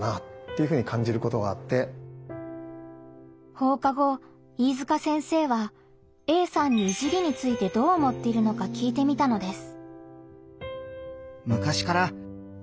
放課後飯塚先生はＡさんに「いじり」についてどう思っているのか聞いてみたのです。